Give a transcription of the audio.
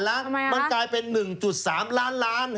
ทำไมคะมันกลายเป็น๑๓ล้านล้าน